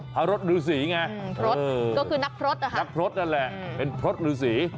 พระรถรุษีไงพระรถก็คือนักพระรถนะครับนักพระรถนั่นแหละเป็นพระรถรุษี